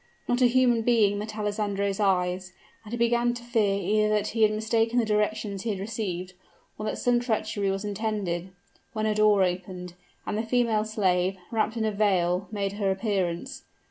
Not a human being met Alessandro's eyes; and he began to fear either that he had mistaken the directions he had received, or that some treachery was intended, when a door opened, and the female slave, wrapped in a veil, made her appearance.